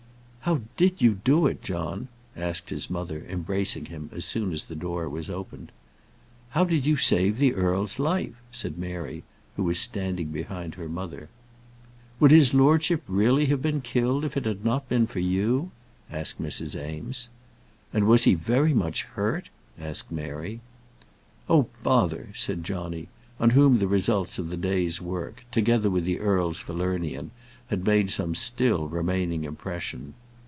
"How did you do it, John?" said his mother, embracing him, as soon as the door was opened. "How did you save the earl's life?" said Mary, who was standing behind her mother. "Would his lordship really have been killed, if it had not been for you?" asked Mrs. Eames. "And was he very much hurt?" asked Mary. "Oh, bother," said Johnny, on whom the results of the day's work, together with the earl's Falernian, had made some still remaining impression.